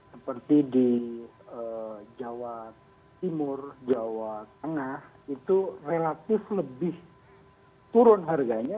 seperti di jawa timur jawa tengah itu relatif lebih turun harganya